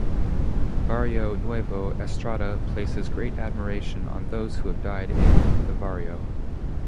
Varrio Nuevo Estrada places great admiration on those that have died in the Varrio.